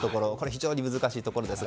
非常に難しいところですが。